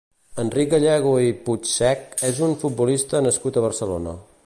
Enric Gallego i Puigsech és un futbolista nascut a Barcelona.